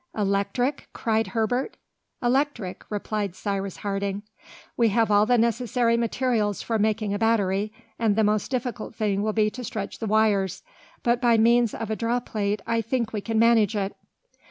"Electric?" cried Herbert. "Electric," replied Cyrus Harding. "We have all the necessary materials for making a battery, and the most difficult thing will be to stretch the wires, but by means of a draw plate I think we shall manage it."